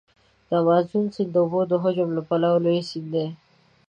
د امازون سیند د اوبو د حجم له پلوه لوی سیند دی.